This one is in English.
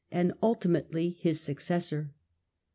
and ultimately his successor.